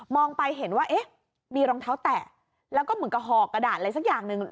ไปเห็นว่าเอ๊ะมีรองเท้าแตะแล้วก็เหมือนกับห่อกระดาษอะไรสักอย่างหนึ่ง